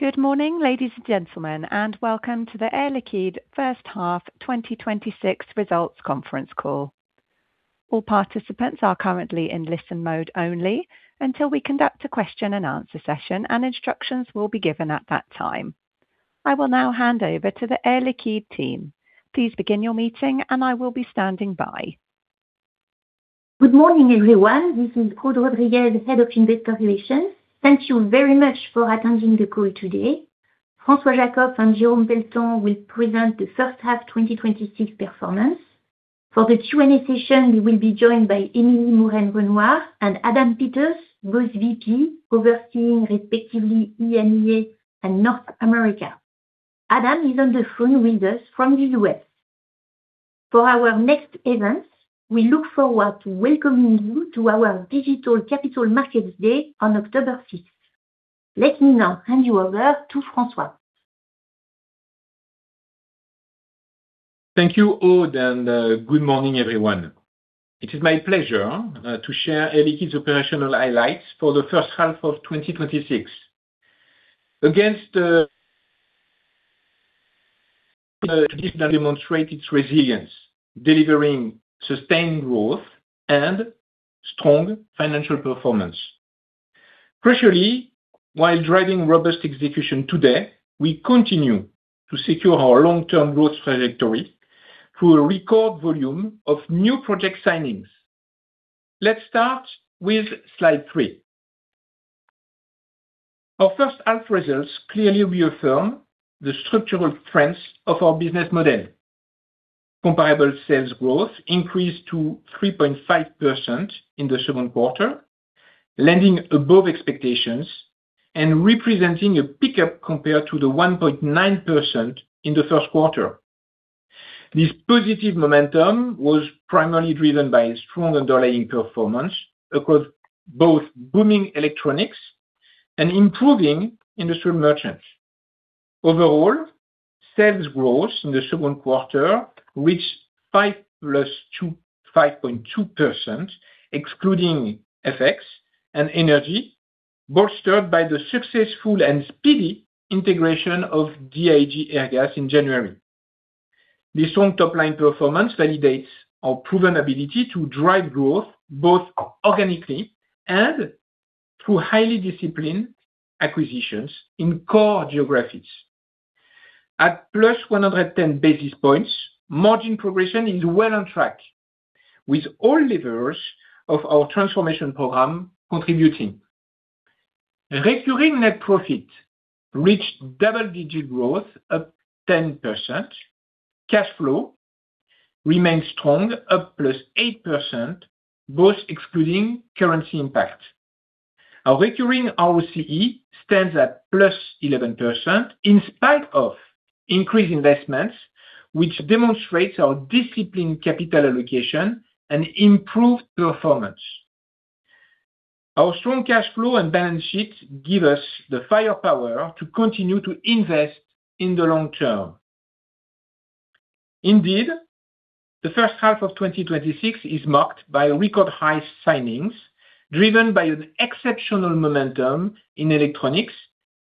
Good morning, ladies and gentlemen, and welcome to the Air Liquide First Half 2026 Results Conference Call. All participants are currently in listen mode only until we conduct a question and answer session, instructions will be given at that time. I will now hand over to the Air Liquide team. Please begin your meeting and I will be standing by. Good morning, everyone. This is Aude Rodriguez, Head of Investor Relations. Thank you very much for attending the call today. François Jackow and Jérôme Pelletan will present the first half 2026 performance. For the Q&A session, we will be joined by Émilie Mouren-Renouard and Adam Peters, both VP overseeing respectively EMEA and North America. Adam is on the phone with us from the U.S. For our next event, we look forward to welcoming you to our digital Capital Markets Day on October 5th. Let me now hand you over to François. Thank you, Aude, good morning, everyone. It is my pleasure to share Air Liquide's operational highlights for the first half of 2026. Against the demonstrated resilience, delivering sustained growth and strong financial performance. Crucially, while driving robust execution today, we continue to secure our long-term growth trajectory through a record volume of new project signings. Let's start with slide three. Our first half results clearly reaffirm the structural strengths of our business model. Comparable sales growth increased to 3.5% in the second quarter, lending above expectations and representing a pickup compared to the 1.9% in the first quarter. This positive momentum was primarily driven by strong underlying performance across both booming Electronics and improving Industrial Merchant. Overall, sales growth in the second quarter reached 5.2%, excluding FX and energy, bolstered by the successful and speedy integration of DIG Airgas in January. This strong top-line performance validates our proven ability to drive growth both organically and through highly disciplined acquisitions in core geographies. At +110 basis points, margin progression is well on track, with all levers of our transformation program contributing. Recurring net profit reached double-digit growth up 10%. Cash flow remained strong, up +8%, both excluding currency impact. Our recurring ROCE stands at +11%, in spite of increased investments, which demonstrates our disciplined capital allocation and improved performance. Our strong cash flow and balance sheet give us the firepower to continue to invest in the long term. Indeed, the first half of 2026 is marked by record-high signings, driven by an exceptional momentum in Electronics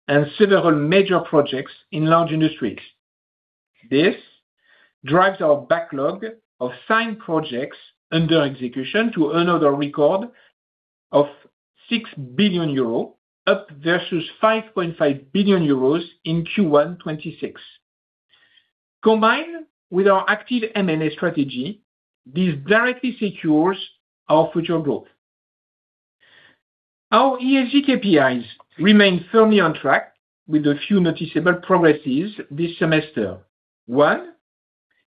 and several major projects in large industries. This drives our backlog of signed projects under execution to another record of 6 billion euros, up versus 5.5 billion euros in Q1 2026. Combined with our active M&A strategy, this directly secures our future growth. Our ESG KPIs remain firmly on track with a few noticeable progresses this semester. One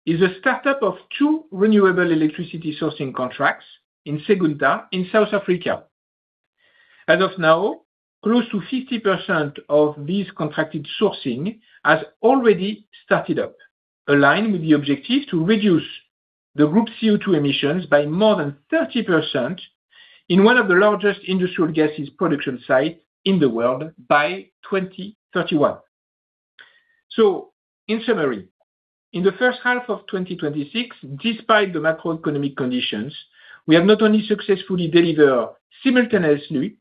is a startup of two renewable electricity sourcing contracts in Secunda in South Africa. As of now, close to 50% of these contracted sourcing has already started up, aligned with the objective to reduce the group CO2 emissions by more than 30% in one of the largest industrial gases production site in the world by 2031. In summary, in the first half of 2026, despite the macroeconomic conditions, we have not only successfully delivered simultaneously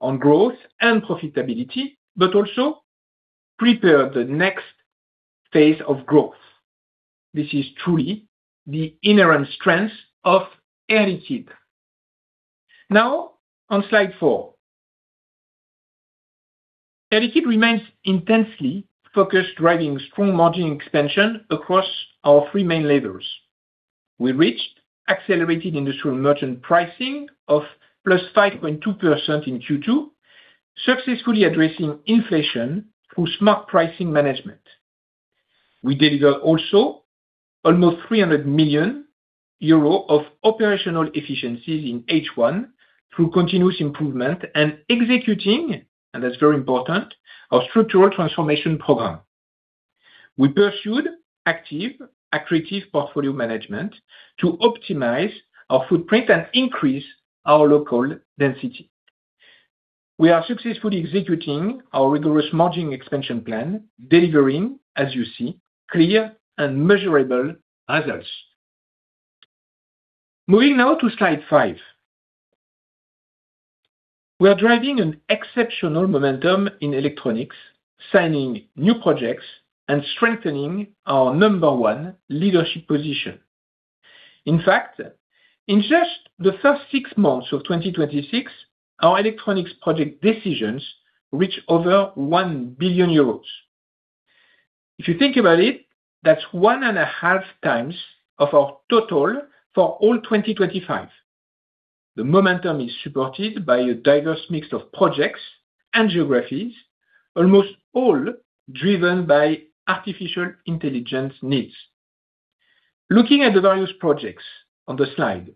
on growth and profitability, but also prepared the next phase of growth. This is truly the inherent strength of Air Liquide. On slide four, Air Liquide remains intensely focused, driving strong margin expansion across our three main levers. We reached accelerated Industrial Merchant pricing of +5.2% in Q2, successfully addressing inflation through smart pricing management. We deliver also almost 300 million euros of operational efficiencies in H1 through continuous improvement and executing, and that's very important, our structural transformation program. We pursued active accretive portfolio management to optimize our footprint and increase our local density. We are successfully executing our rigorous margin expansion plan, delivering, as you see, clear and measurable results. Moving now to slide five, we are driving an exceptional momentum in Electronics, signing new projects and strengthening our number one leadership position. In fact, in just the first six months of 2026, our Electronics project decisions reached over 1 billion euros. If you think about it, that's 1.5x Of our total for all 2025. The momentum is supported by a diverse mix of projects and geographies, almost all driven by artificial intelligence needs. Looking at the various projects on the slide.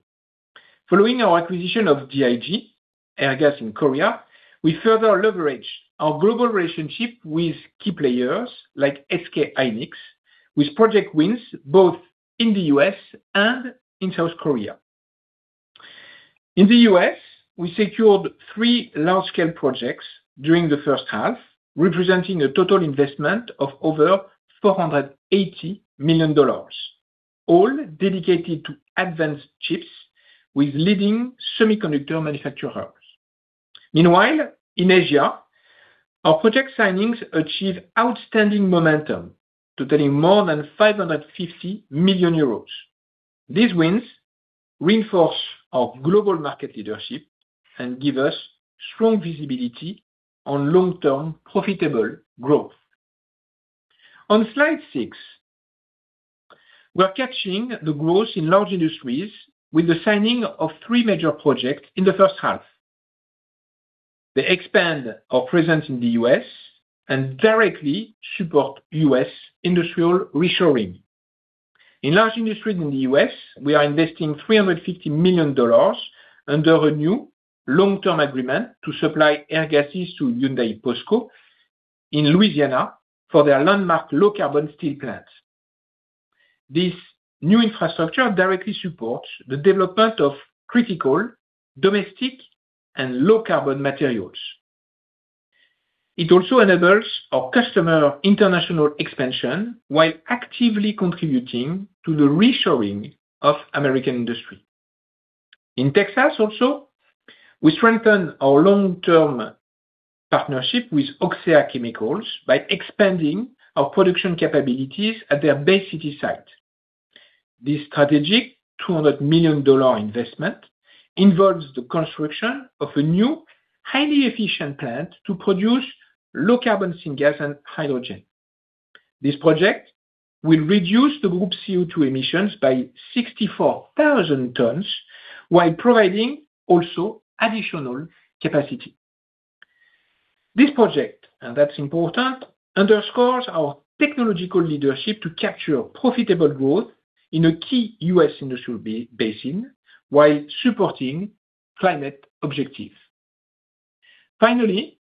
Following our acquisition of DIG Airgas in Korea, we further leveraged our global relationship with key players like SK Hynix with project wins both in the U.S. and in South Korea. In the U.S., we secured three large-scale projects during the first half, representing a total investment of over $480 million, all dedicated to advanced chips with leading semiconductor manufacturers. Meanwhile, in Asia, our project signings achieve outstanding momentum, totaling more than 550 million euros. These wins reinforce our global market leadership and give us strong visibility on long-term profitable growth. On slide six, we're catching the growth in large industries with the signing of three major projects in the first half. They expand our presence in the U.S. and directly support U.S. industrial reshoring. In large industries in the U.S., we are investing $350 million under a new long-term agreement to supply air gases to HYUNDAI‑POSCO in Louisiana for their landmark low-carbon steel plants. This new infrastructure directly supports the development of critical domestic and low-carbon materials. It also enables our customer international expansion while actively contributing to the reshoring of American industry. In Texas, also, we strengthen our long-term partnership with OXEA by expanding our production capabilities at their Bay City site. This strategic $200 million investment involves the construction of a new, highly efficient plant to produce low-carbon syngas and hydrogen. This project will reduce the group's CO2 emissions by 64,000 tons while providing also additional capacity. This project, and that's important, underscores our technological leadership to capture profitable growth in a key U.S. industrial basin while supporting climate objectives. Finally,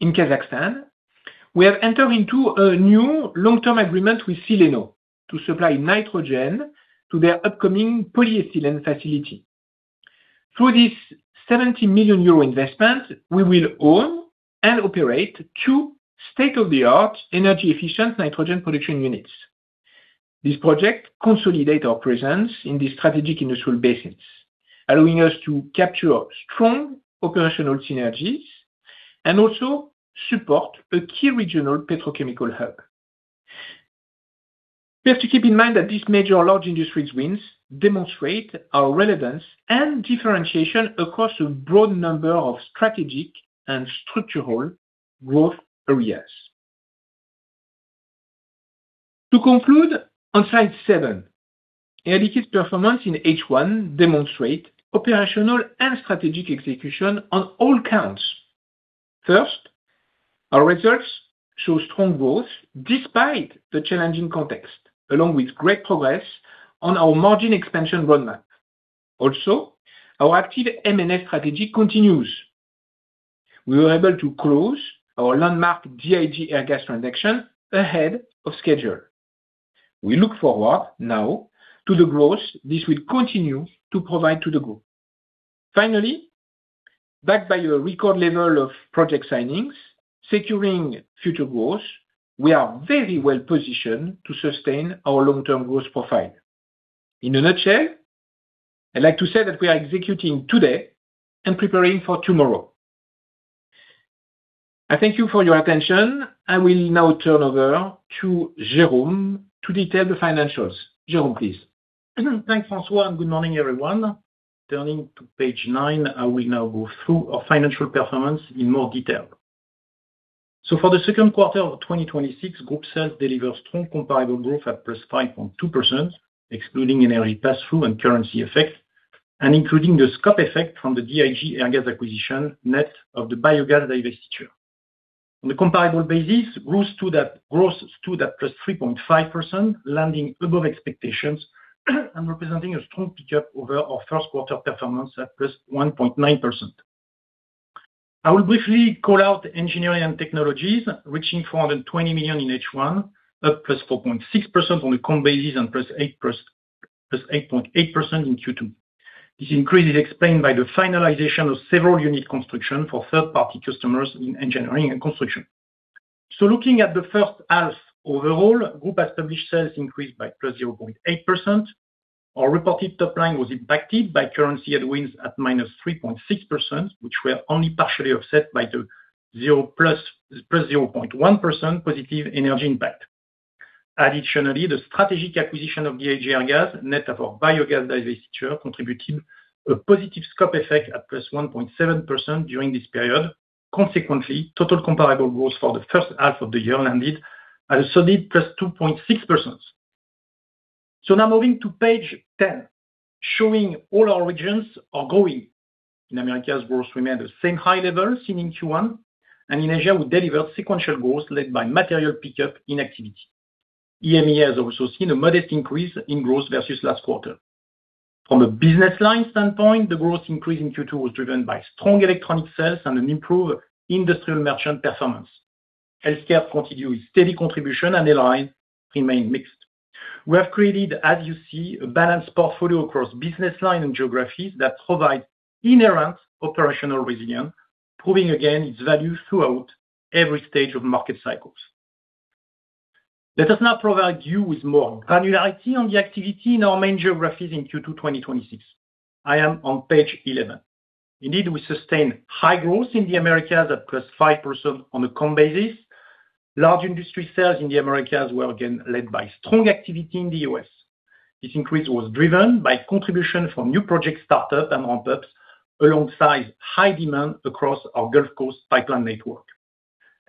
in Kazakhstan, we have entered into a new long-term agreement with Silleno to supply nitrogen to their upcoming polyethylene facility. Through this 70 million euro investment, we will own and operate two state-of-the-art energy-efficient nitrogen production units. This project consolidates our presence in these strategic industrial basins, allowing us to capture strong operational synergies and also support a key regional petrochemical hub. We have to keep in mind that these major large industries wins demonstrate our relevance and differentiation across a broad number of strategic and structural growth areas. To conclude, on slide seven, Air Liquide performance in H1 demonstrates operational and strategic execution on all counts. First, our results show strong growth despite the challenging context, along with great progress on our margin expansion roadmap. Our active M&A strategy continues. We were able to close our landmark DIG Airgas transaction ahead of schedule. We look forward now to the growth this will continue to provide to the group. Finally, backed by a record level of project signings securing future growth, we are very well-positioned to sustain our long-term growth profile. In a nutshell, I'd like to say that we are executing today and preparing for tomorrow. I thank you for your attention. I will now turn over to Jérôme to detail the financials. Jérôme, please. Thanks, François, and good morning, everyone. Turning to page nine, I will now go through our financial performance in more detail. For the second quarter of 2026, group sales delivered strong comparable growth at +5.2%, excluding an early pass-through and currency effect, and including the scope effect from the DIG Airgas acquisition, net of the biogas divestiture. On a comparable basis, growth stood at +3.5%, landing above expectations and representing a strong pickup over our first quarter performance at +1.9%. I will briefly call out Engineering and Technologies, reaching 420 million in H1, up +4.6% on the comp basis and +8.8% in Q2. This increase is explained by the finalization of several unit construction for third-party customers in Engineering and Construction. Looking at the first half, overall, group established sales increased by +0.8%. Our reported top line was impacted by currency headwinds at -3.6%, which were only partially offset by the +0.1% positive energy impact. Additionally, the strategic acquisition of DIG Airgas, net of our biogas divestiture, contributed a positive scope effect at +1.7% during this period. Consequently, total comparable growth for the first half of the year landed at a solid +2.6%. Now moving to page 10, showing all our regions are growing. In Americas, growth remained at the same high level seen in Q1. In Asia, we delivered sequential growth led by material pickup in activity. EMEA has also seen a modest increase in growth versus last quarter. From a business line standpoint, the growth increase in Q2 was driven by strong electronic sales and an improved Industrial Merchant performance. Healthcare continued with steady contribution, and airline remained mixed. We have created, as you see, a balanced portfolio across business line and geographies that provide inherent operational resilience, proving again its value throughout every stage of market cycles. Let us now provide you with more granularity on the activity in our main geographies in Q2 2026. I am on page 11. Indeed, we sustained high growth in the Americas at +5% on a comp basis. Large industry sales in the Americas were again led by strong activity in the U.S. This increase was driven by contribution from new project startup and ramp-ups, alongside high demand across our Gulf Coast pipeline network,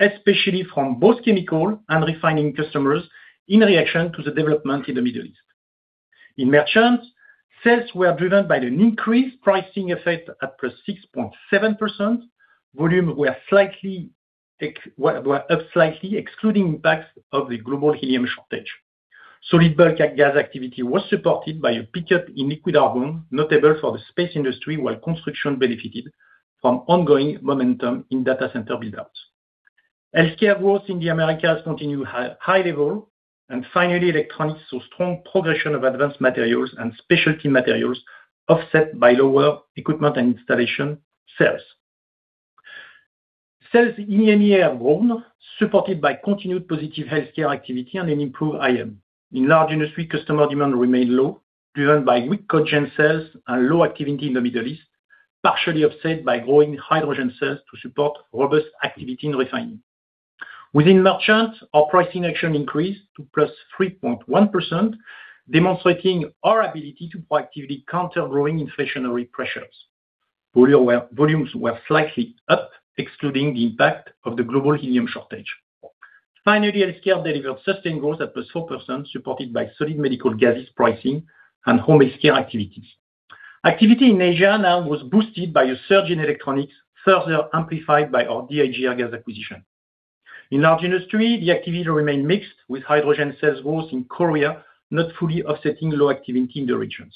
especially from both chemical and refining customers in reaction to the development in the Middle East. In Merchant, sales were driven by an increased pricing effect at +6.7%. Volumes were up slightly, excluding impacts of the global helium shortage. Solid bulk gas activity was supported by a pickup in liquid argon, notable for the space industry, while construction benefited from ongoing momentum in data center build-outs. Healthcare growth in the Americas continued high level, and finally, Electronics saw strong progression of advanced materials and specialty materials offset by lower equipment and installation sales. Sales in EMEA have grown, supported by continued positive healthcare activity and an improved IM. In large industry, customer demand remained low, driven by weak cogen sales and low activity in the Middle East, partially offset by growing hydrogen sales to support robust activity in refining. Within Merchant, our pricing action increased to +3.1%, demonstrating our ability to proactively counter growing inflationary pressures. Volumes were slightly up, excluding the impact of the global helium shortage. Finally, healthcare delivered sustained growth at +4%, supported by solid medical gases pricing and home healthcare activities. Activity in Asia now was boosted by a surge in Electronics, further amplified by our DIG Airgas acquisition. In large industry, the activity remained mixed, with hydrogen sales growth in Korea not fully offsetting low activity in the regions.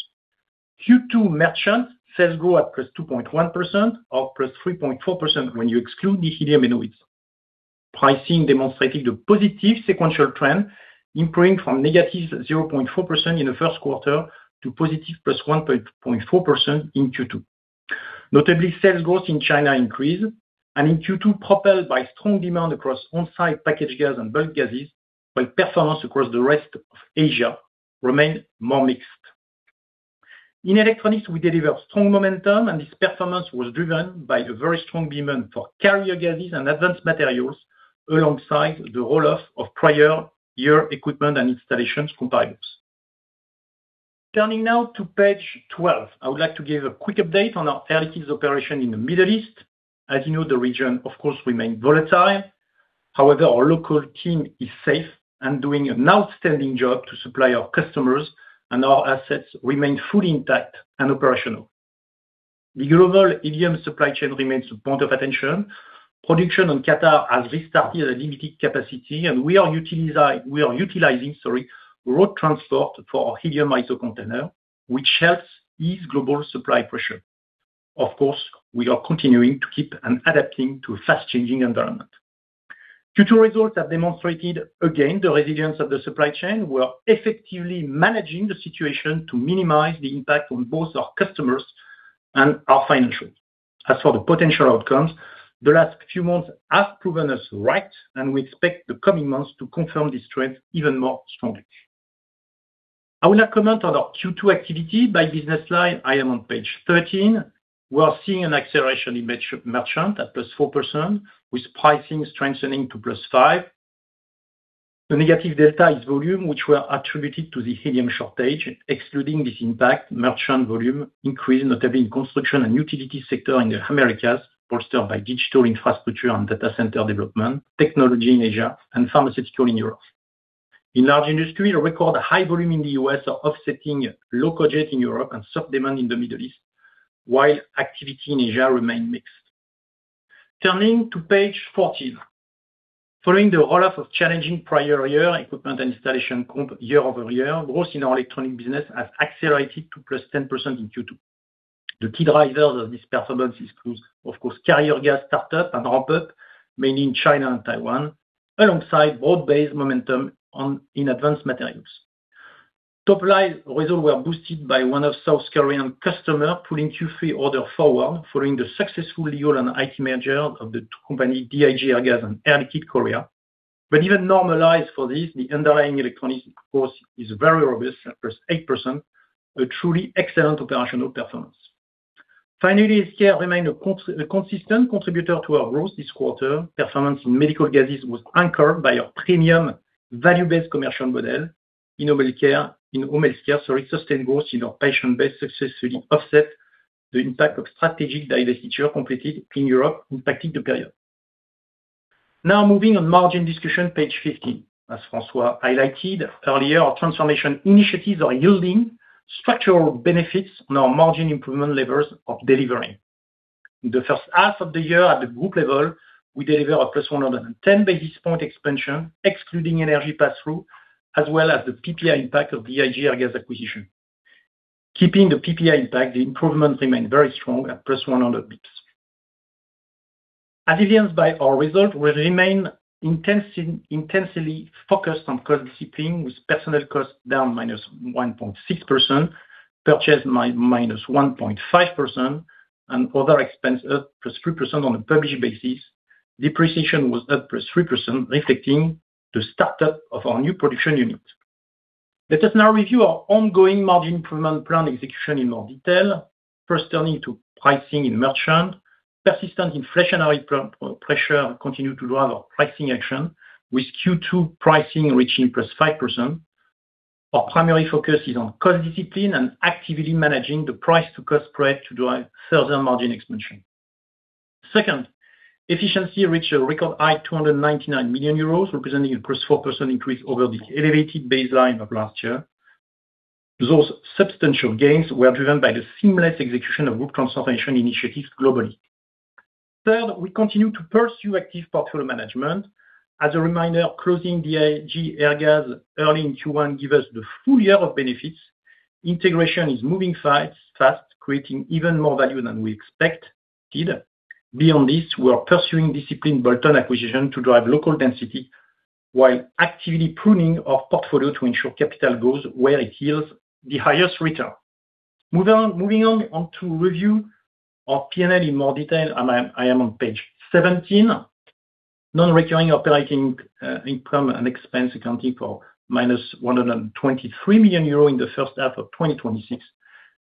Q2 Merchant's, sales grew at +2.1% or +3.4% when you exclude the helium headwinds. Pricing demonstrated a positive sequential trend, improving from -0.4% in the first quarter to +1.4% in Q2. Notably, sales growth in China increased, and in Q2 propelled by strong demand across on-site packaged gas and bulk gases, while performance across the rest of Asia remained more mixed. In Electronics, we delivered strong momentum, and this performance was driven by the very strong demand for carrier gases and advanced materials, alongside the roll-off of prior year equipment and installations comparables. Turning now to page 12, I would like to give a quick update on our Air Liquide operation in the Middle East. As you know, the region, of course, remains volatile. However, our local team is safe and doing an outstanding job to supply our customers, and our assets remain fully intact and operational. The global helium supply chain remains a point of attention. Production on Qatar has restarted at a limited capacity, and we are utilizing road transport for our helium ISO container, which helps ease global supply pressure. Of course, we are continuing to keep and adapting to a fast-changing environment. Q2 results have demonstrated again the resilience of the supply chain. We are effectively managing the situation to minimize the impact on both our customers and our financials. As for the potential outcomes, the last few months have proven us right, and we expect the coming months to confirm this trend even more strongly. I will now comment on our Q2 activity by business line. I am on page 13. We are seeing an acceleration in Merchant at +4%, with pricing strengthening to +5%. The negative delta is volume, which was attributed to the helium shortage. Excluding this impact, Merchant volume increased, notably in construction and utility sector in the U.S., bolstered by digital infrastructure and data center development, technology in Asia, and pharmaceutical in Europe. In large industry, record high volume in the U.S. is offsetting low cogen in Europe and sub-demand in the Middle East, while activity in Asia remained mixed. Turning to page 14. Following the roll-off of challenging prior year equipment and installation comp year-over-year, growth in our Electronics business has accelerated to +10% in Q2. The key drivers of this performance is, of course, carrier gas startup and ramp-up, mainly in China and Taiwan, alongside broad-based momentum in advanced materials. Topline results were boosted by one South Korean customer pulling Q3 order forward following the successful legal and IT merger of the two companies, DIG Airgas and Air Liquide Korea. But even normalized for this, the underlying Electronics growth is very robust at +8%, a truly excellent operational performance. Finally, scale remained a consistent contributor to our growth this quarter. Performance in medical gases was anchored by a premium value-based commercial model in home healthcare. Sustained growth in our patient base successfully offset the impact of strategic divestitures completed in Europe impacted the period. Moving on to margin discussion, page 15. As François highlighted earlier, our transformation initiatives are yielding structural benefits on our margin improvement levers are delivering. In the first half of the year at the Group level, we delivered a +110 basis point expansion, excluding energy passthrough, as well as the PPA impact of DIG Airgas acquisition. Keeping the PPA impact, the improvement remained very strong at +100 bps. As evidenced by our results, we remain intensely focused on cost discipline with personnel costs down -1.6%, purchase -1.5%, and other expense up +3% on a published basis. Depreciation was up +3%, reflecting the startup of our new production unit. Let us now review our ongoing margin improvement plan execution in more detail. First, turning to pricing in Merchant. Persistent inflationary pressure continues to drive our pricing action, with Q2 pricing reaching +5%. Our primary focus is on cost discipline and actively managing the price to cost spread to drive further margin expansion. Second, efficiency reached a record high 299 million euros, representing a +4% increase over the elevated baseline of last year. Those substantial gains were driven by the seamless execution of Group transformation initiatives globally. Third, we continue to pursue active portfolio management. As a reminder, closing DIG Airgas early in Q1 gave us the full year of benefits. Integration is moving fast, creating even more value than we expected. Beyond this, we are pursuing disciplined bolt-on acquisition to drive local density, while actively pruning our portfolio to ensure capital goes where it yields the highest return. Moving on to review our P&L in more detail. I am on page 17. Non-recurring operating income and expense accounting for -123 million euro in the first half of 2026,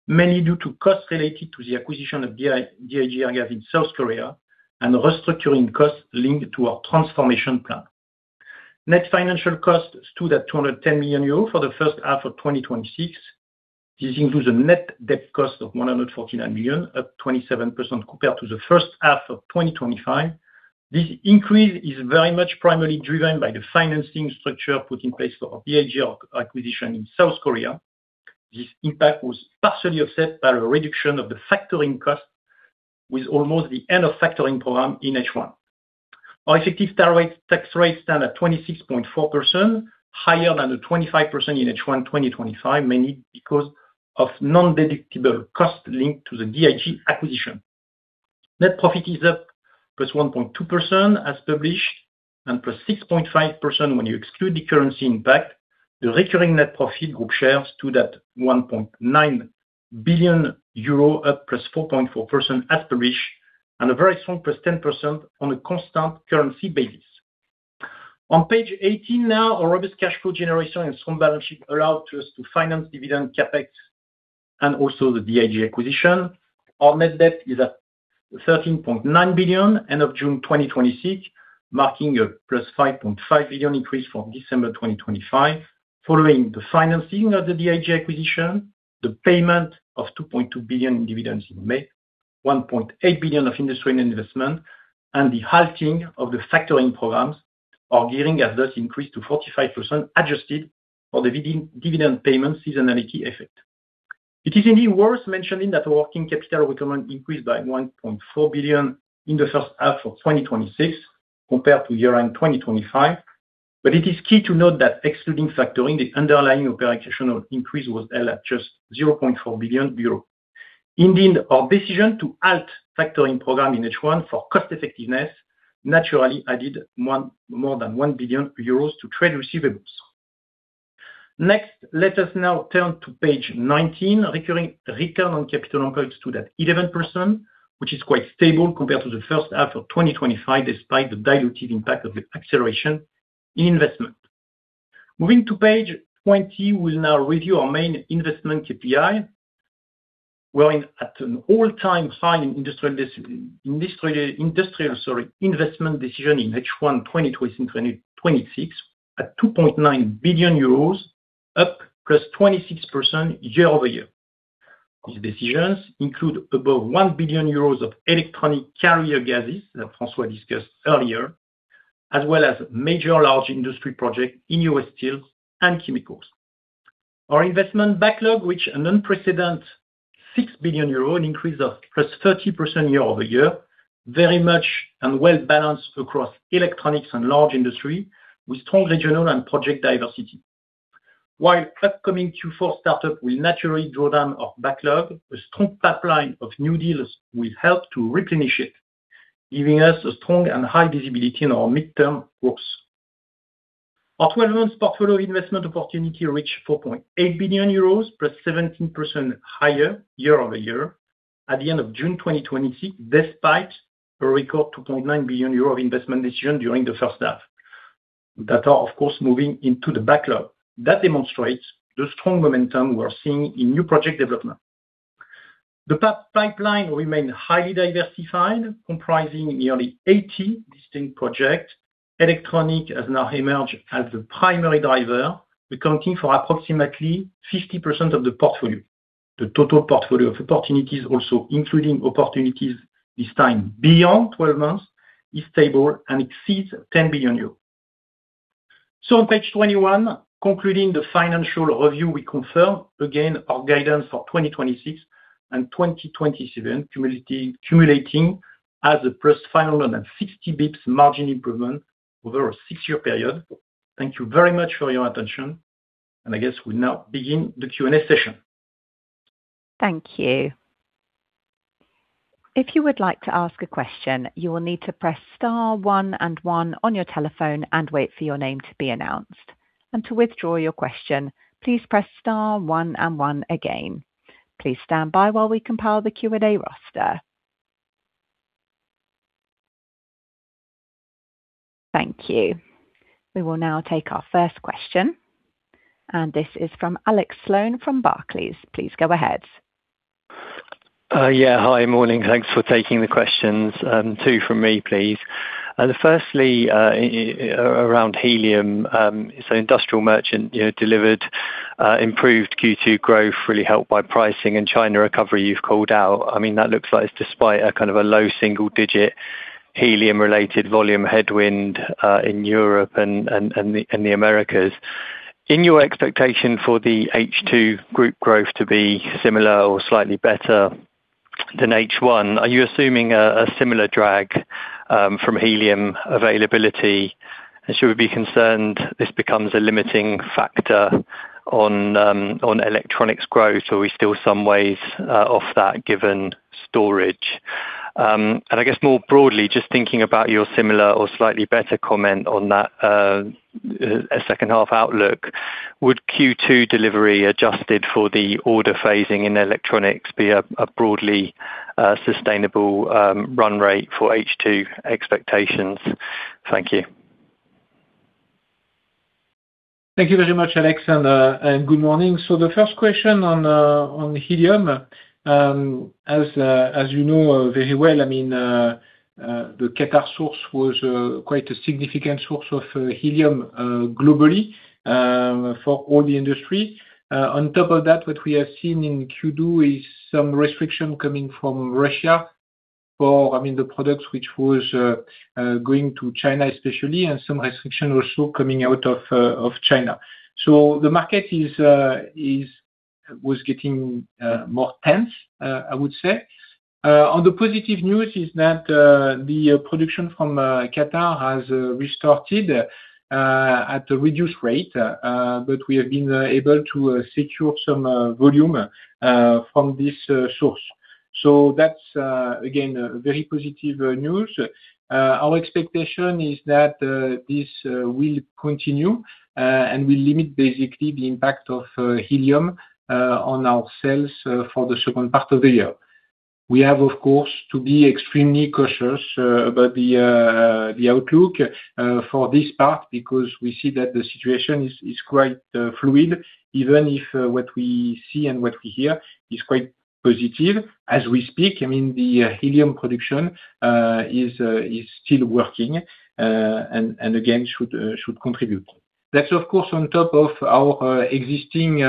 mainly due to costs related to the acquisition of DIG Airgas in South Korea and the restructuring costs linked to our transformation plan. Net financial costs stood at 210 million euro for the first half of 2026. This includes a net debt cost of 149 million, up 27% compared to the first half of 2025. This increase is very much primarily driven by the financing structure put in place for our DIG acquisition in South Korea. This impact was partially offset by a reduction of the factoring cost with almost the end of factoring program in H1. Our effective tax rate stood at 26.4%, higher than the 25% in H1 2025, mainly because of non-deductible costs linked to the DIG acquisition. Net profit is up +1.2% as published and +6.5% when you exclude the currency impact. The recurring net profit group share stood at 1.9 billion euro, up +4.4% as published, and a very strong +10% on a constant currency basis. On page 18 now, our robust cash flow generation and strong balance sheet allowed us to finance dividend CapEx and also the DIG acquisition. Our net debt is at 13.9 billion, end of June 2026, marking a +5.5 billion increase from December 2025. Following the financing of the DIG acquisition, the payment of 2.2 billion in dividends in May, 1.8 billion of industrial investment, and the halting of the factoring programs are gearing as thus increased to 45%, adjusted for the dividend payment seasonality effect. It is indeed worth mentioning that working capital return increased by 1.4 billion in the first half of 2026, compared to year-end 2025. It is key to note that excluding factoring, the underlying operational increase was held at just 0.4 billion euro. Indeed, our decision to halt factoring program in H1 for cost effectiveness naturally added more than 1 billion euros to trade receivables. Next, let us now turn to page 19. Recurring return on capital employed stood at 11%, which is quite stable compared to the first half of 2025, despite the dilutive impact of the acceleration in investment. Moving to page 20, we will now review our main investment KPI. We're at an all-time high in industrial investment decision in H1 2026 at 2.9 billion euros, up plus 26% year-over-year. These decisions include above 1 billion euros of electronic carrier gases that François discussed earlier, as well as major large industry project in US Steel and chemicals. Our investment backlog, which an unprecedented 6 billion euro, an increase of +30% year-over-year, very much and well-balanced across electronics and large industry with strong regional and project diversity. While upcoming Q4 startup will naturally draw down our backlog, a strong pipeline of new deals will help to replenish it giving us a strong and high visibility in our midterm growth. Our 12 months portfolio investment opportunity reached 4.8 billion euros, +17% higher year-over-year at the end of June 2026, despite a record 2.9 billion euro investment decision during the first half that are, of course, moving into the backlog. That demonstrates the strong momentum we are seeing in new project development. The pipeline remain highly diversified, comprising nearly 80 distinct projects. Electronics has now emerged as the primary driver, accounting for approximately 50% of the portfolio. The total portfolio of opportunities also including opportunities this time beyond 12 months, is stable and exceeds 10 billion euros. On page 21, concluding the financial review, we confirm again our guidance for 2026 and 2027, cumulating as a +560 bps margin improvement over a six-year period. Thank you very much for your attention, I guess we now begin the Q&A session. Thank you. If you would like to ask a question, you will need to press star one and one on your telephone and wait for your name to be announced. To withdraw your question, please press star one and one again. Please stand by while we compile the Q&A roster. Thank you. We will now take our first question, this is from Alex Sloane from Barclays. Please go ahead. Yeah. Hi. Morning. Thanks for taking the questions. Two from me, please. Firstly, around helium. Industrial merchant delivered improved Q2 growth, really helped by pricing and China recovery you've called out. That looks like it's despite a kind of a low single-digit helium-related volume headwind in Europe and the Americas. In your expectation for the H2 group growth to be similar or slightly better than H1, are you assuming a similar drag from helium availability? Should we be concerned this becomes a limiting factor on Electronics growth, or are we still some ways off that given storage? I guess more broadly, just thinking about your similar or slightly better comment on that second half outlook, would Q2 delivery adjusted for the order phasing in Electronics be a broadly sustainable run rate for H2 expectations? Thank you. Thank you very much, Alex, good morning. The first question on helium. As you know very well, the Qatar source was quite a significant source of helium globally for all the industry. On top of that, what we have seen in Q2 is some restriction coming from Russia for the products which was going to China especially, some restriction also coming out of China. The market was getting more tense, I would say. On the positive news is that the production from Qatar has restarted at a reduced rate, we have been able to secure some volume from this source. That's, again, a very positive news. Our expectation is that this will continue, will limit basically the impact of helium on our sales for the second part of the year. We have, of course, to be extremely cautious about the outlook for this part, because we see that the situation is quite fluid, even if what we see and what we hear is quite positive. As we speak, the helium production is still working, and again, should contribute. That's of course on top of our existing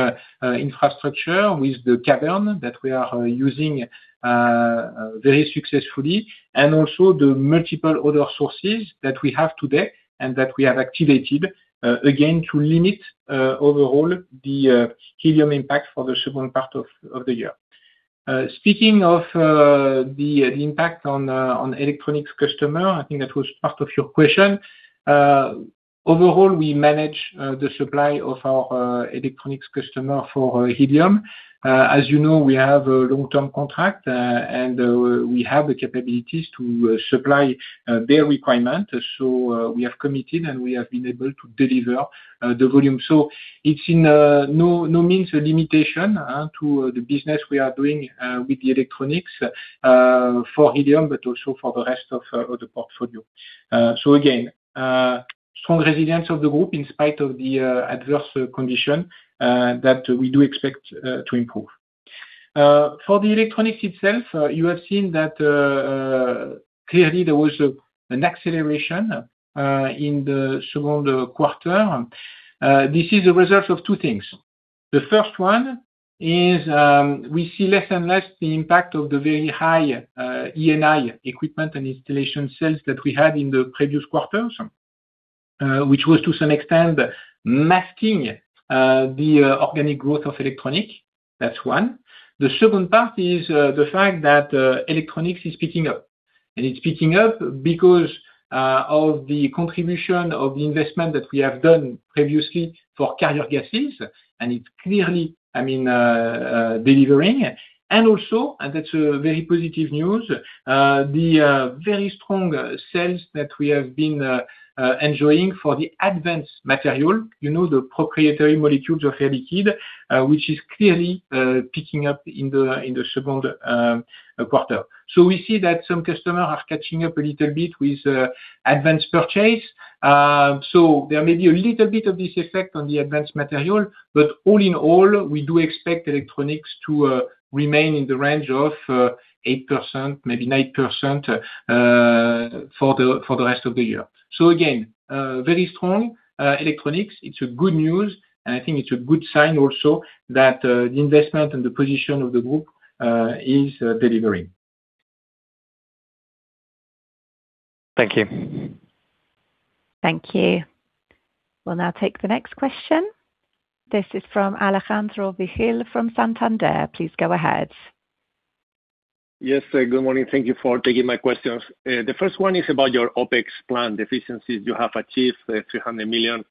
infrastructure with the cavern that we are using very successfully, and also the multiple other sources that we have today and that we have activated, again, to limit overall the helium impact for the second part of the year. Speaking of the impact on Electronics customer, I think that was part of your question. Overall, we manage the supply of our Electronics customer for helium. As you know, we have a long-term contract, and we have the capabilities to supply their requirement. We have committed, and we have been able to deliver the volume. It's in no means a limitation to the business we are doing with the Electronics for helium, but also for the rest of the portfolio. Again, strong resilience of the group in spite of the adverse condition that we do expect to improve. For the Electronics itself, you have seen that clearly there was an acceleration in the second quarter. This is a result of two things. The first one is we see less and less the impact of the very high E&I equipment and installation sales that we had in the previous quarters, which was to some extent masking the organic growth of Electronics. That's one. The second part is the fact that Electronics is picking up It's picking up because of the contribution of the investment that we have done previously for carrier gases, and it's clearly delivering. Also, that's very positive news, the very strong sales that we have been enjoying for the advanced material, the proprietary molecules of Air Liquide, which is clearly picking up in the second quarter. We see that some customers are catching up a little bit with advanced purchase. There may be a little bit of this effect on the advanced material, but all in all, we do expect Electronics to remain in the range of 8%, maybe 9% for the rest of the year. Again, very strong Electronics. It's a good news. I think it's a good sign also that the investment and the position of the group is delivering. Thank you. Thank you. We'll now take the next question. This is from Alejandro Vigil from Santander. Please go ahead. Yes. Good morning. Thank you for taking my questions. The first one is about your OpEx plan deficiencies. You have achieved 300 million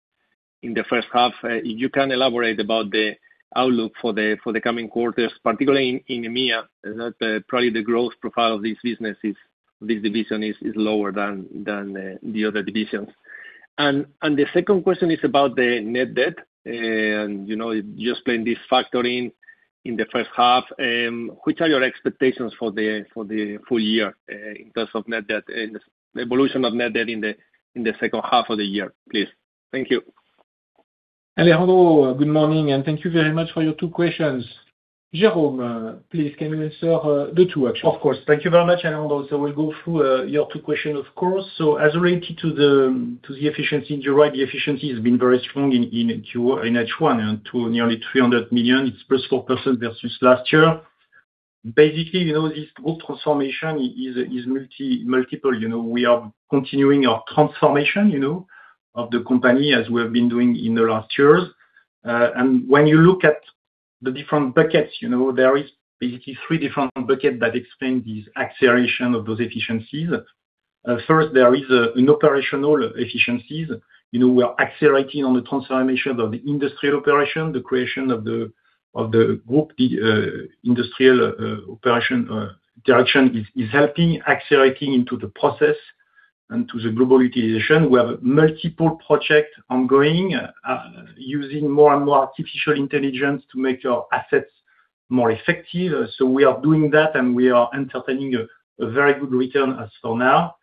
in the first half. You can elaborate about the outlook for the coming quarters, particularly in EMEA, that probably the growth profile of this division is lower than the other divisions. The second question is about the net debt, and you explained this factoring in the first half. Which are your expectations for the full year in terms of net debt and the evolution of net debt in the second half of the year, please? Thank you. Alejandro, good morning, and thank you very much for your two questions. Jérôme, please, can you answer the two, actually? Of course. Thank you very much, Alejandro. As related to the efficiency, and you're right, the efficiency has been very strong in H1, and to nearly 300 million. It's +4% versus last year. Basically, this group transformation is multiple. We are continuing our transformation of the company as we have been doing in the last years. When you look at the different buckets, there is basically three different bucket that explain this acceleration of those efficiencies. First, there is an operational efficiencies. We are accelerating on the transformation of the industrial operation, the creation of the group, the industrial operation direction is helping, accelerating into the process and to the global utilization. We have multiple project ongoing, using more and more artificial intelligence to make our assets more effective. We are doing that, and we are entertaining a very good return as for now.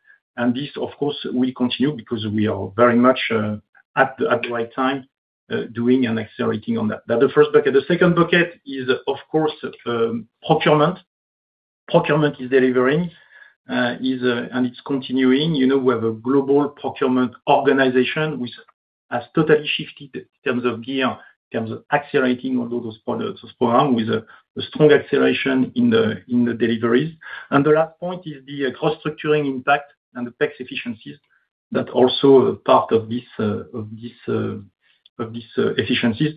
This, of course, will continue because we are very much at the right time doing and accelerating on that. That the first bucket. The second bucket is, of course, procurement. Procurement is delivering and it's continuing. We have a global procurement organization which has totally shifted in terms of gear, in terms of accelerating on those programs with a strong acceleration in the deliveries. The last point is the cost structuring impact and the tax efficiencies that also a part of these efficiencies.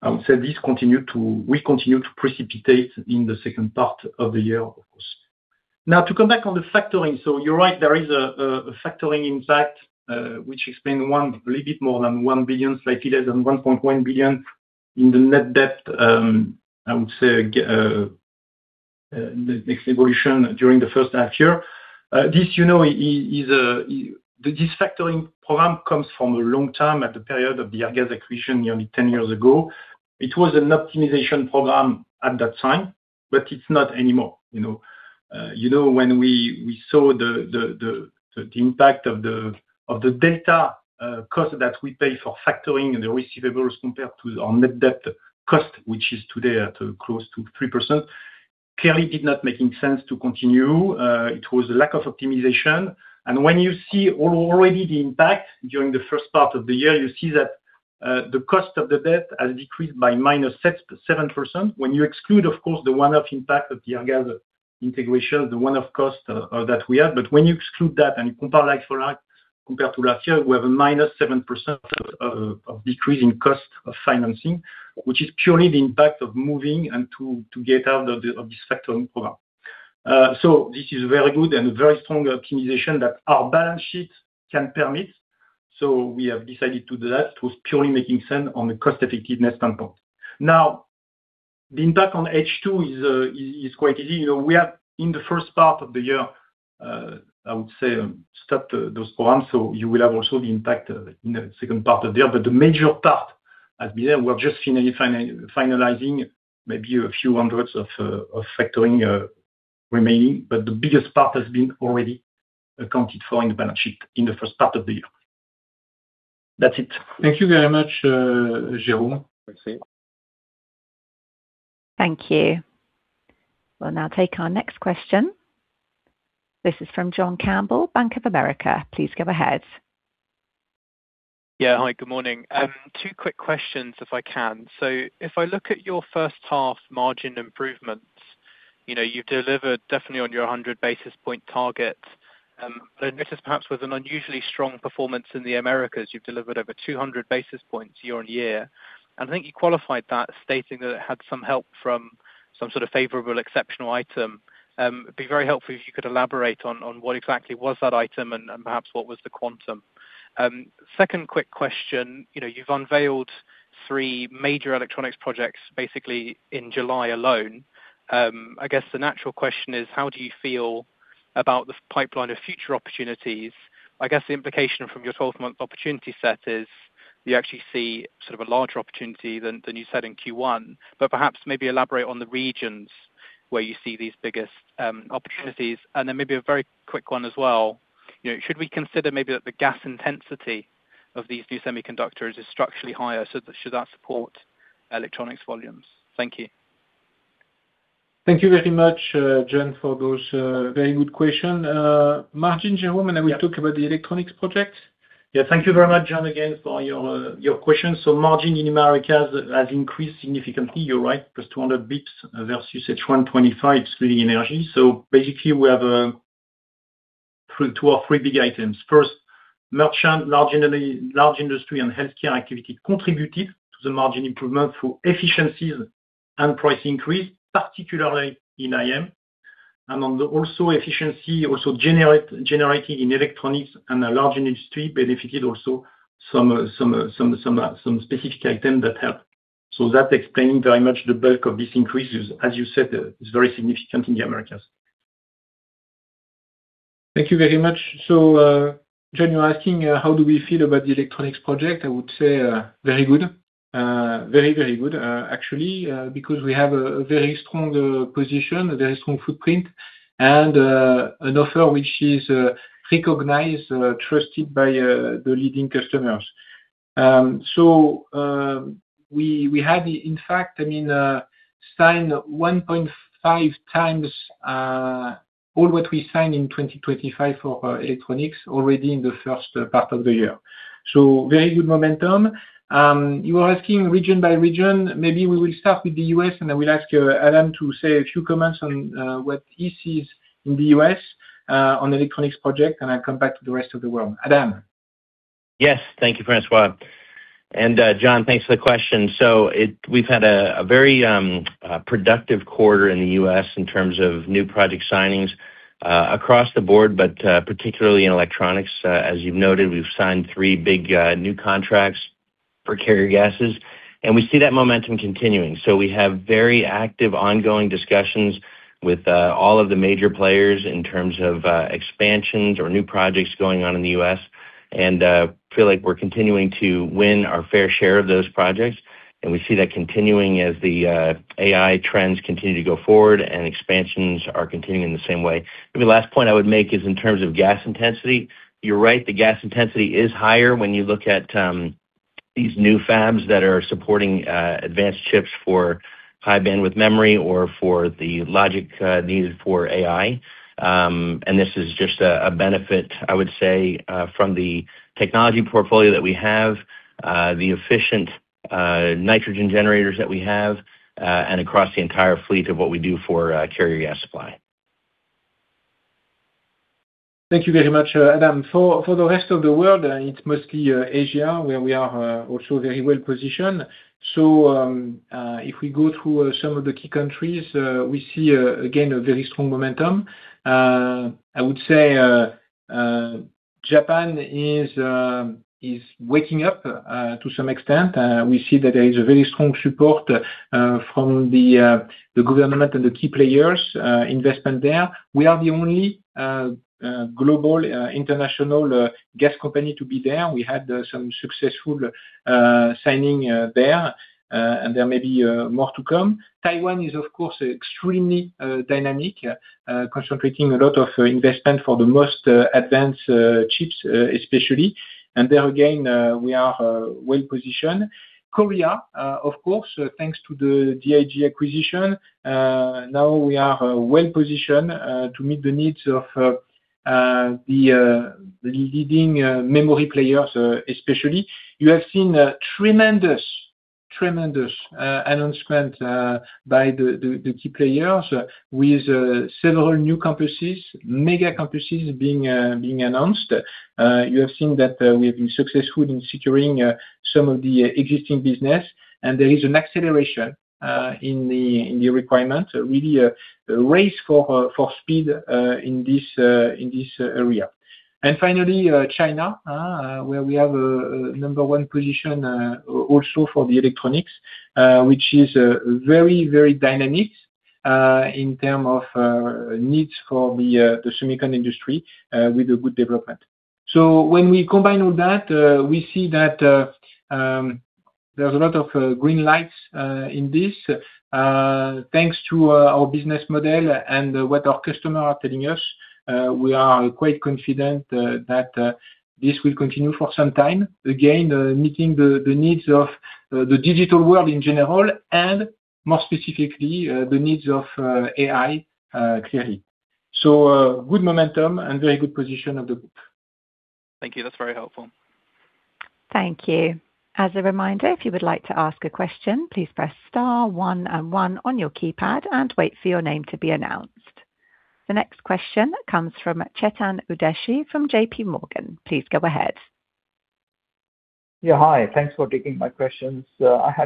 I would say we continue to precipitate in the second part of the year, of course. To come back on the factoring. You're right, there is a factoring impact, which explain a little bit more than 1 billion, slightly less than 1.1 billion in the net debt, I would say, next evolution during the first half-year. This factoring program comes from a long time at the period of the Airgas acquisition nearly 10 years ago. It was an optimization program at that time, but it's not anymore. When we saw the impact of the data cost that we pay for factoring and the receivables compared to our net debt cost, which is today at close to 3%, clearly did not making sense to continue. It was a lack of optimization. When you see already the impact during the first part of the year, you see that the cost of the debt has decreased by -7%. When you exclude, of course, the one-off impact of the Airgas integration, the one-off cost that we have. When you exclude that and you compare like for like compared to last year, we have a -7% of decrease in cost of financing, which is purely the impact of moving and to get out of this factoring program. This is very good and very strong optimization that our balance sheet can permit. We have decided to do that. It was purely making sense on a cost-effectiveness standpoint. The impact on H2 is quite easy. We are in the first part of the year, I would say, start those programs. You will have also the impact in the second part of the year. The major part has been we're just finalizing maybe a few hundreds of factoring remaining. The biggest part has been already accounted for in the balance sheet in the first part of the year. That's it. Thank you very much, Jérôme. Merci. Thank you. We'll now take our next question. This is from John Campbell, Bank of America. Please go ahead. Hi, good morning. Two quick questions, if I can. If I look at your first half margin improvements, you've delivered definitely on your 100 basis point target. This is perhaps with an unusually strong performance in the Americas. You've delivered over 200 basis points year-on-year, and I think you qualified that, stating that it had some help from some sort of favorable exceptional item. It'd be very helpful if you could elaborate on what exactly was that item and perhaps what was the quantum. Second quick question. You've unveiled three major electronics projects basically in July alone. I guess the natural question is, how do you feel about the pipeline of future opportunities? I guess the implication from your 12th month opportunity set is you actually see sort of a larger opportunity than you said in Q1, perhaps maybe elaborate on the regions where you see these biggest opportunities. Maybe a very quick one as well. Should we consider maybe that the gas intensity of these new semiconductors is structurally higher, should that support electronics volumes? Thank you. Thank you very much, John, for those very good question. Margin, Jérôme, and then I will talk about the Electronics project. Thank you very much, John, again for your questions. Margin in Americas has increased significantly. You're right, plus 200 bps versus H1 2025, excluding energy. Basically, we have two or three big items. First, merchant, large industry, and healthcare activity contributed to the margin improvement through efficiencies and price increase, particularly in IM. And on the also efficiency, also generating in Electronics and a large industry benefited also some specific item that help. That explaining very much the bulk of this increase is, as you said, is very significant in the Americas. Thank you very much. John, you're asking how do we feel about the Electronics project? I would say very good. Very, very good, actually, because we have a very strong position, a very strong footprint, and an offer which is recognized, trusted by the leading customers. We had, in fact, signed 1.5x all what we signed in 2025 for Electronics already in the first part of the year. Very good momentum. You are asking region by region. Maybe we will start with the U.S., and then we'll ask Adam to say a few comments on what he sees in the U.S. on Electronics project, and I'll come back to the rest of the world. Adam. Yes. Thank you, François. John, thanks for the question. We've had a very productive quarter in the U.S. in terms of new project signings across the board, but particularly in Electronics. As you've noted, we've signed three big new contracts for carrier gases, and we see that momentum continuing. We have very active ongoing discussions with all of the major players in terms of expansions or new projects going on in the U.S., and feel like we're continuing to win our fair share of those projects, and we see that continuing as the AI trends continue to go forward and expansions are continuing the same way. Maybe last point I would make is in terms of gas intensity. You're right, the gas intensity is higher when you look at these new fabs that are supporting advanced chips for high bandwidth memory or for the logic needed for AI. This is just a benefit, I would say, from the technology portfolio that we have, the efficient nitrogen generators that we have, and across the entire fleet of what we do for carrier gas supply. Thank you very much, Adam. For the rest of the world, it's mostly Asia, where we are also very well-positioned. If we go through some of the key countries, we see again, a very strong momentum. I would say Japan is waking up to some extent. We see that there is a very strong support from the government and the key players investment there. We are the only global international gas company to be there. We had some successful signing there, and there may be more to come. Taiwan is, of course, extremely dynamic, concentrating a lot of investment for the most advanced chips, especially. There again, we are well-positioned. Korea, of course, thanks to the DIG Airgas acquisition. Now we are well-positioned to meet the needs of the leading memory players, especially. You have seen tremendous announcement by the key players with several new campuses, mega campuses being announced. You have seen that we have been successful in securing some of the existing business, and there is an acceleration in the requirement, really a race for speed in this area. Finally, China, where we have a number one position also for the Electronics, which is very, very dynamic in term of needs for the semiconductor industry with a good development. When we combine all that, we see that there's a lot of green lights in this. Thanks to our business model and what our customers are telling us, we are quite confident that this will continue for some time, again, meeting the needs of the digital world in general and more specifically, the needs of AI clearly. Good momentum and very good position of the group. Thank you. That's very helpful. Thank you. As a reminder, if you would like to ask a question, please press star one and one on your keypad and wait for your name to be announced. The next question comes from Chetan Udeshi from JPMorgan. Please go ahead. Yeah. Hi. Thanks for taking my questions. François,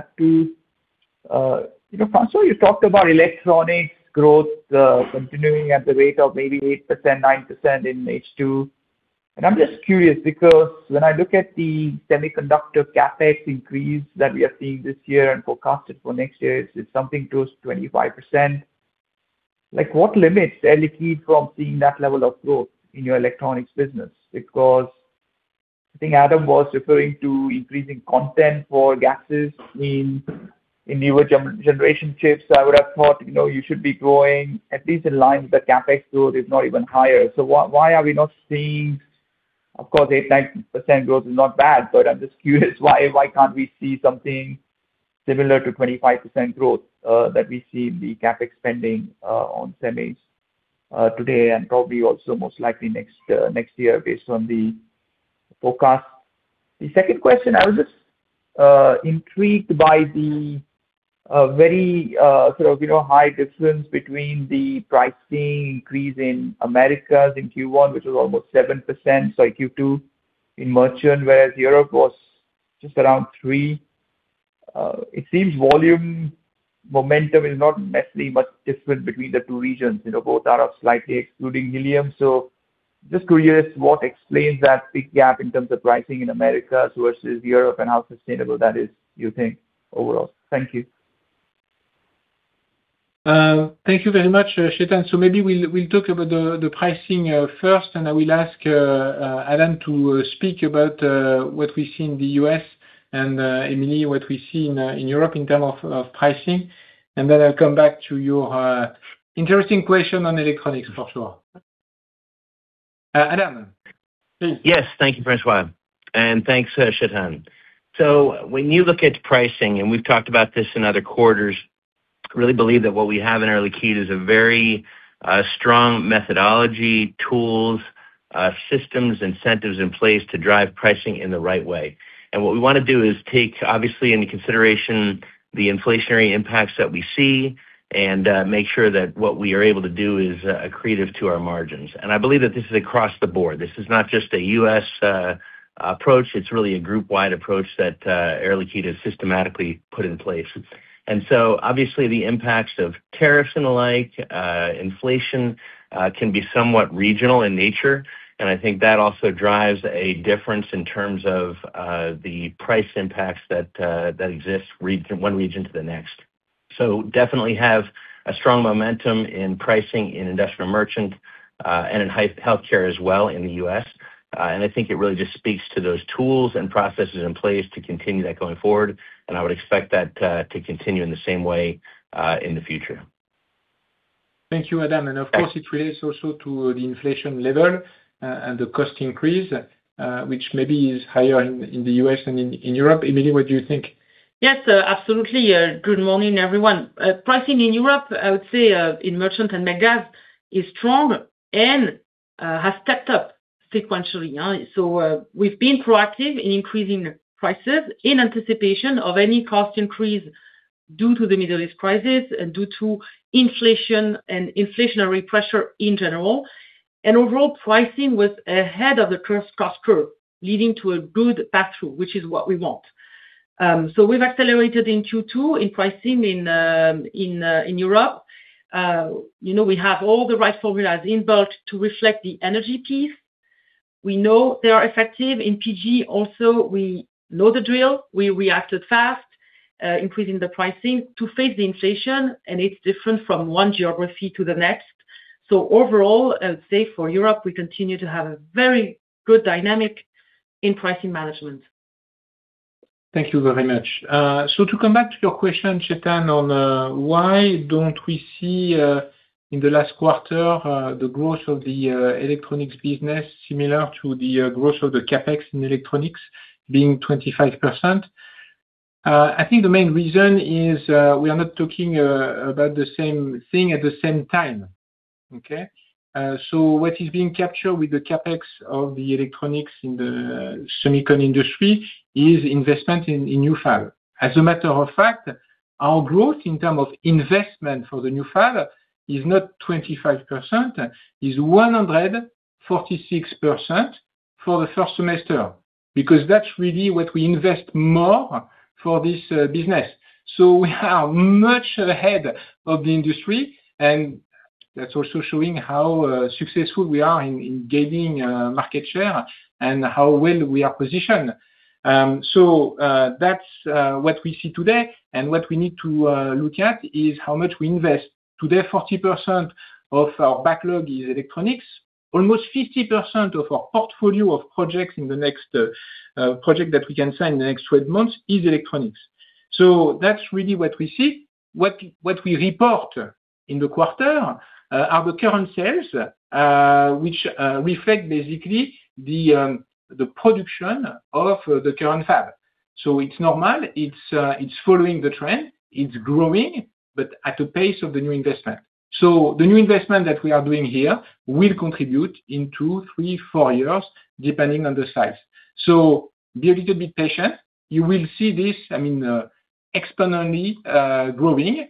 you talked about Electronics growth continuing at the rate of maybe 8%-9% in H2. I am just curious because when I look at the semiconductor CapEx increase that we are seeing this year and forecasted for next year, it is something close to 25%. What limits Air Liquide from seeing that level of growth in your Electronics business? Because I think Adam was referring to increasing content for gases in newer generation chips. I would have thought you should be growing at least in line with the CapEx growth, if not even higher. Why are we not seeing Of course, 8%-9% growth is not bad, but I am just curious why can't we see something similar to 25% growth that we see the CapEx spending on semis today and probably also most likely next year based on the forecast. The second question, I was just intrigued by the very high difference between the pricing increase in Americas in Q1, which was almost 7%, sorry, Q2, in merchant, whereas Europe was just around 3%. It seems volume momentum is not necessarily much different between the two regions. Both are up slightly, excluding helium. Just curious what explains that big gap in terms of pricing in Americas versus Europe and how sustainable that is, you think, overall? Thank you. Thank you very much, Chetan. Maybe we will talk about the pricing first, and I will ask Adam to speak about what we see in the U.S. and Émilie, what we see in Europe in term of pricing. Then I will come back to your interesting question on Electronics for sure. Adam, please. Yes. Thank you, François. Thanks, Chetan. When you look at pricing, and we've talked about this in other quarters, I really believe that what we have in Air Liquide is a very strong methodology, tools, systems, incentives in place to drive pricing in the right way. What we want to do is take, obviously, into consideration the inflationary impacts that we see and make sure that what we are able to do is accretive to our margins. I believe that this is across the board. This is not just a U.S. approach, it's really a group-wide approach that Air Liquide has systematically put in place. Obviously the impacts of tariffs and the like, inflation, can be somewhat regional in nature, and I think that also drives a difference in terms of the price impacts that exist one region to the next. Definitely have a strong momentum in pricing in Industrial Merchant and in Healthcare as well in the U.S. I think it really just speaks to those tools and processes in place to continue that going forward. I would expect that to continue in the same way in the future. Thank you, Adam. Of course, it relates also to the inflation level and the cost increase, which maybe is higher in the U.S. than in Europe. Émilie, what do you think? Yes, absolutely. Good morning, everyone. Pricing in Europe, I would say, in Merchant and MedGas is strong and has stepped up sequentially. We've been proactive in increasing prices in anticipation of any cost increase due to the Middle East crisis and due to inflation and inflationary pressure in general. Overall, pricing was ahead of the cost curve, leading to a good pass-through, which is what we want. We've accelerated in Q2 in pricing in Europe. We have all the right formulas inbuilt to reflect the energy piece. We know they are effective in PG also. We know the drill. We reacted fast, increasing the pricing to face the inflation, it's different from one geography to the next. Overall, I'd say for Europe, we continue to have a very good dynamic in pricing management. Thank you very much. To come back to your question, Chetan, on why don't we see in the last quarter the growth of the Electronics business similar to the growth of the CapEx in Electronics being 25%. I think the main reason is we are not talking about the same thing at the same time. Okay? What is being captured with the CapEx of the Electronics in the semicon industry is investment in new fab. As a matter of fact, our growth in term of investment for the new fab is not 25%, is 146% for the first semester, because that's really what we invest more for this business. We are much ahead of the industry, and that's also showing how successful we are in gaining market share and how well we are positioned. That's what we see today, and what we need to look at is how much we invest. Today, 40% of our backlog is Electronics. Almost 50% of our portfolio of projects that we can sign in the next 12 months is Electronics. That's really what we see. What we report in the quarter are the current sales, which reflect basically the production of the current fab. It's normal, it's following the trend, it's growing, but at the pace of the new investment. The new investment that we are doing here will contribute in two, three, four years, depending on the size. Be a little bit patient. You will see this, I mean, exponentially growing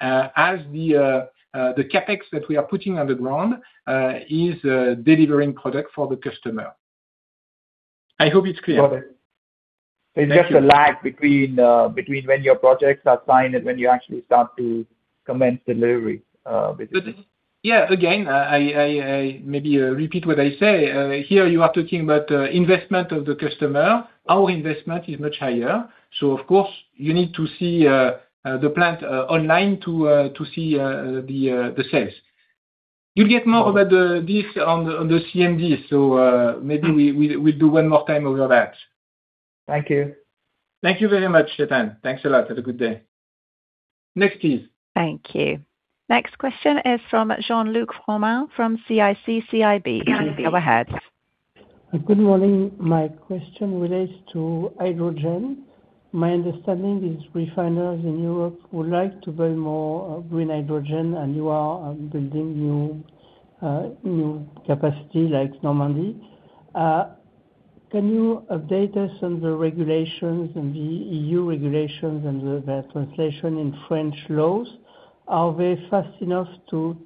as the CapEx that we are putting on the ground is delivering product for the customer. I hope it's clear. Got it. Thank you. There's just a lag between when your projects are signed and when you actually start to commence delivery, basically. Yeah. Again, I maybe repeat what I say. Here, you are talking about investment of the customer. Our investment is much higher. Of course, you need to see the plant online to see the sales. You'll get more about this on the CMD, so maybe we'll do one more time over that. Thank you. Thank you very much, Chetan. Thanks a lot. Have a good day. Next, please. Thank you. Next question is from Jean-Luc Romain from CIC CIB. Please go ahead. Good morning. My question relates to hydrogen. My understanding is refiners in Europe would like to burn more green hydrogen. You are building new capacity like Normandy. Can you update us on the regulations and the EU regulations and the translation in French laws? Are they fast enough to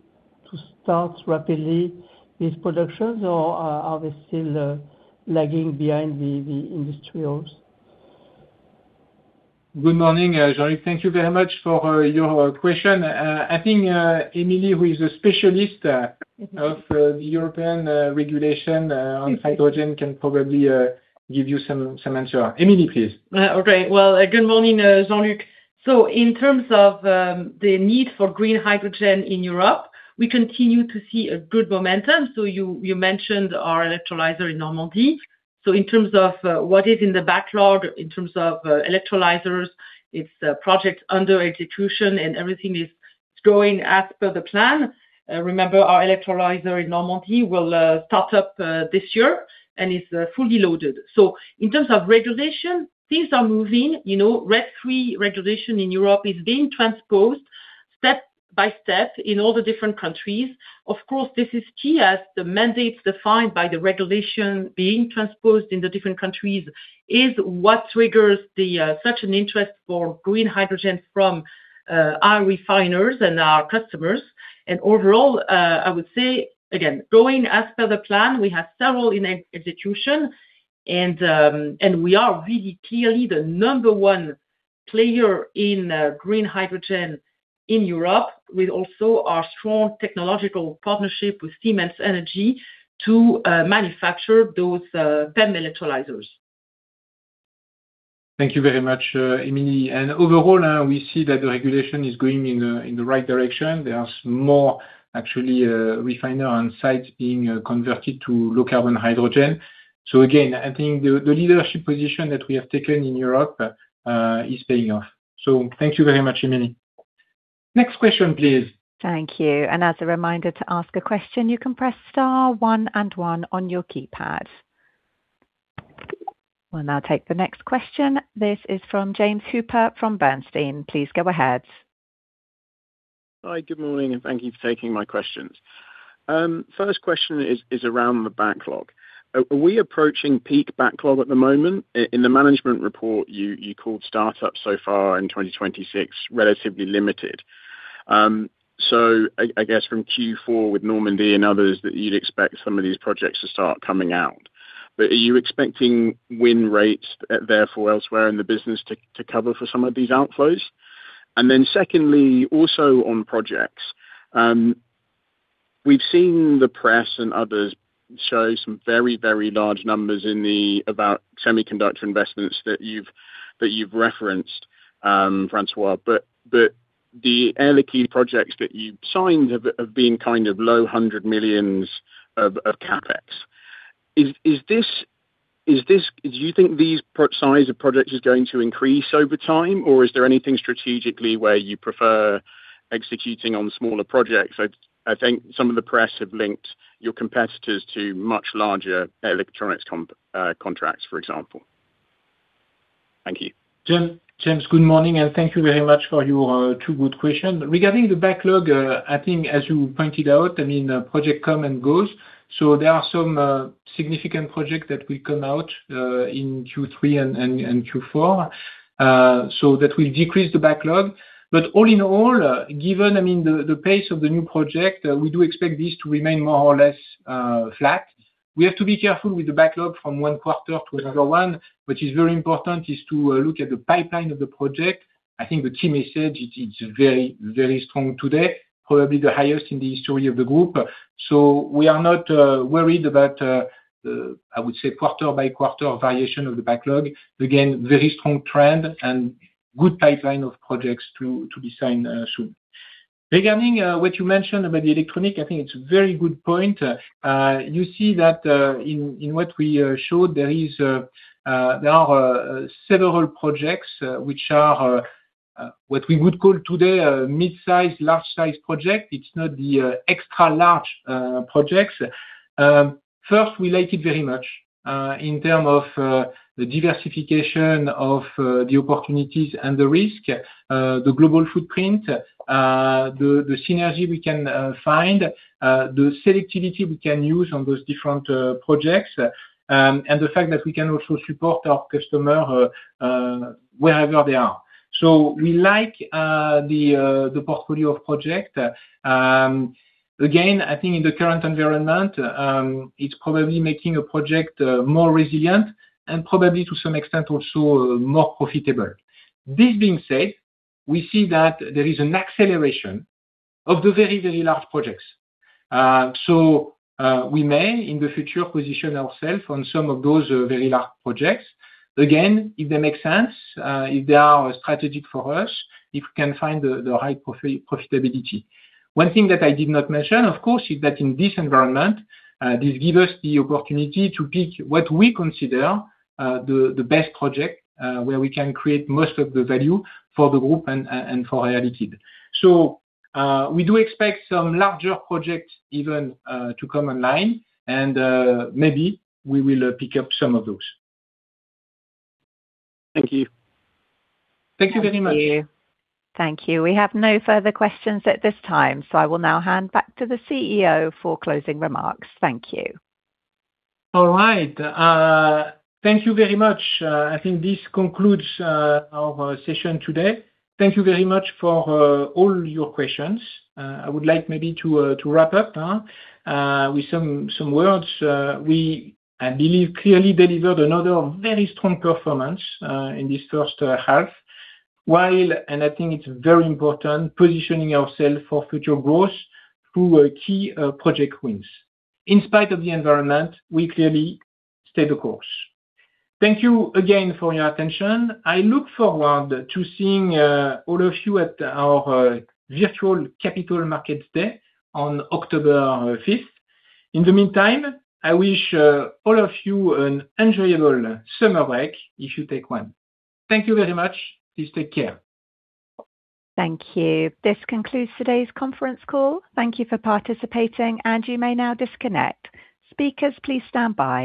start rapidly these productions, or are they still lagging behind the industrials? Good morning, Jean-Luc. Thank you very much for your question. I think Émilie, who is a specialist of the European regulation on hydrogen, can probably give you some answer. Émilie, please. Okay. Well, good morning, Jean-Luc. In terms of the need for green hydrogen in Europe, we continue to see a good momentum. You mentioned our electrolyzer in Normandy. In terms of what is in the backlog in terms of electrolyzers, it's a project under execution and everything is going as per the plan. Remember, our electrolyzer in Normandy will start up this year and is fully loaded. In terms of regulation, things are moving. Fit for 55 regulation in Europe is being transposed step by step in all the different countries. Of course, this is key as the mandates defined by the regulation being transposed in the different countries is what triggers such an interest for green hydrogen from our refiners and our customers. Overall, I would say, again, going as per the plan, we have several in execution and we are really clearly the number one player in green hydrogen in Europe with also our strong technological partnership with Siemens Energy to manufacture those PEM electrolyzers. Thank you very much, Émilie. Overall, we see that the regulation is going in the right direction. There are more actually refiner on site being converted to low carbon hydrogen. Again, I think the leadership position that we have taken in Europe is paying off. Thank you very much, Émilie. Next question, please. Thank you. As a reminder to ask a question, you can press star one and one on your keypad. We'll now take the next question. This is from James Hooper from Bernstein. Please go ahead. Hi. Good morning, thank you for taking my questions. First question is around the backlog. Are we approaching peak backlog at the moment? In the management report, you called startups so far in 2026, relatively limited. I guess from Q4 with Normandy and others, that you'd expect some of these projects to start coming out. Are you expecting win rates therefore elsewhere in the business to cover for some of these outflows? Then secondly, also on projects, we've seen the press and others show some very large numbers about semiconductor investments that you've referenced, François, but the early key projects that you've signed have been low 100 million of CapEx. Do you think this size of project is going to increase over time, or is there anything strategically where you prefer executing on smaller projects? I think some of the press have linked your competitors to much larger electronics contracts, for example. Thank you. James, good morning, and thank you very much for your two good questions. Regarding the backlog, I think as you pointed out, projects come and go. There are some significant projects that will come out in Q3 and Q4. That will decrease the backlog. All in all, given the pace of the new project, we do expect this to remain more or less flat. We have to be careful with the backlog from one quarter to another one. What is very important is to look at the pipeline of the project. I think the team has said it's very strong today, probably the highest in the history of the group. We are not worried about, I would say, quarter by quarter variation of the backlog. Again, very strong trend and good pipeline of projects to be signed soon. Regarding what you mentioned about the electronics, I think it's a very good point. You see that in what we showed, there are several projects which are what we would call today a mid-size, large-size projects. It's not the extra-large projects. First, we like it very much in terms of the diversification of the opportunities and the risk, the global footprint, the synergy we can find, the selectivity we can use on those different projects, and the fact that we can also support our customers wherever they are. We like the portfolio of projects. Again, I think in the current environment, it's probably making a project more resilient and probably to some extent, also more profitable. This being said, we see that there is an acceleration of the very, very large projects. We may, in the future, position ourselves on some of those very large projects. Again, if they make sense, if they are strategic for us, if we can find the right profitability. One thing that I did not mention, of course, is that in this environment, this gives us the opportunity to pick what we consider the best project, where we can create most of the value for the group and for Air Liquide. We do expect some larger projects even to come online, and maybe we will pick up some of those. Thank you. Thank you very much. Thank you. We have no further questions at this time. I will now hand back to the CEO for closing remarks. Thank you. All right. Thank you very much. I think this concludes our session today. Thank you very much for all your questions. I would like maybe to wrap up with some words. We, I believe, clearly delivered another very strong performance in this first half, while, and I think it's very important, positioning ourself for future growth through key project wins. In spite of the environment, we clearly stay the course. Thank you again for your attention. I look forward to seeing all of you at our virtual Capital Markets Day on October 5th. In the meantime, I wish all of you an enjoyable summer break if you take one. Thank you very much. Please take care. Thank you. This concludes today's conference call. Thank you for participating, and you may now disconnect. Speakers, please stand by.